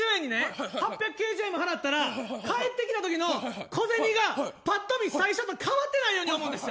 １２０円に８９０円払ったら返ってくるときの小銭がぱっと見、最初と変わってないように思うんです。